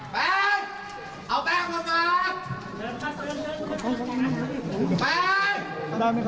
แป้งเอาแป้งเหลือเจอ